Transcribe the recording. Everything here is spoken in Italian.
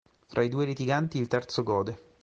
Fra i due litiganti il terzo gode.